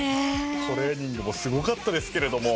トレーニングもすごかったですけれども。